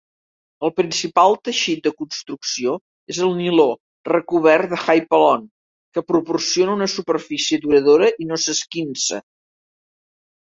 El principal teixit de construcció és el niló recobert de Hypalon, que proporciona una superfície duradora i no s'esquinça.